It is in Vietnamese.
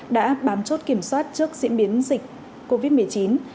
đã bám chốt kiểm soát trước diễn biến dịch covid một mươi chín